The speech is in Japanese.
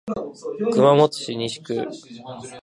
熊本市西区